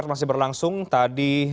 masih berlangsung tadi